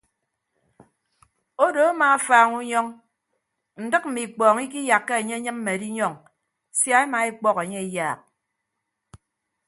Odo amaafaaña unyọñ ndịk mme ikpọọñ ikiyakka enye enyịmme edinyọñ sia ema ekpọk enye eyaak.